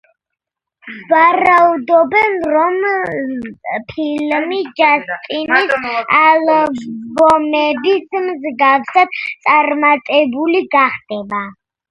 ვარაუდობენ, რომ ფილმი, ჯასტინის ალბომების მსგავსად, წარმატებული გახდება.